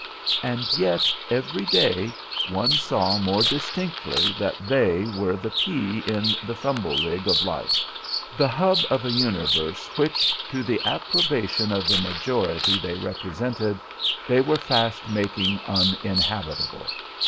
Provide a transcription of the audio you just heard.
And yet every day one saw more distinctly that they were the pea in the thimblerig of life, the hub of a universe which, to the approbation of the majority they represented, they were fast making uninhabitable.